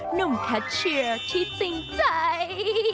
หนุ่มแคทเชียร์ที่จริงใจ